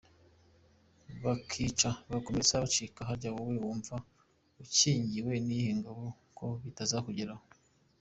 Bakica, bagakomeza bakica; harya wowe wunva ukingiwe n’iyihe ngabo ko bitazakugeraho?